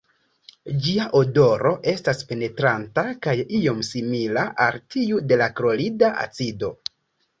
Ĝia odoro estas penetranta kaj iom simila al tiu de la klorida acido.